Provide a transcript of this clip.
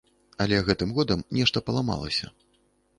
Але гэтым годам нешта паламалася.